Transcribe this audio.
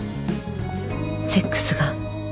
セックスが